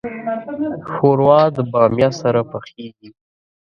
ښوروا د بامیا سره پخیږي.